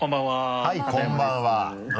はいこんばんは。